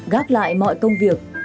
gác lại mọi công việc